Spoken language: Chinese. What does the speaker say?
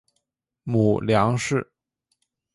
母梁氏。